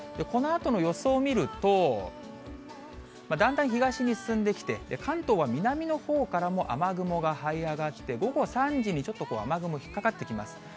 このあとの予想を見ると、だんだん東に進んできて、関東は南のほうからも雨雲がはい上がって、午後３時にちょっと雨雲、引っ掛かってきます。